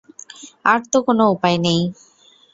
আর তো কোন উপায় নেই।